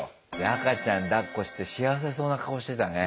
赤ちゃんだっこして幸せそうな顔してたね。